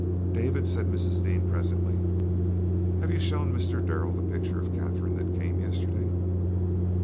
"David," said Mrs. Dean, presently, "have you shown Mr. Darrell that picture of Katherine that came yesterday?"